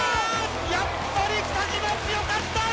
やっぱり北島強かった！